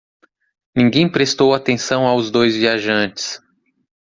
Ninguém prestou atenção aos dois viajantes.